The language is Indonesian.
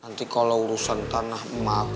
nanti kalau urusan tanah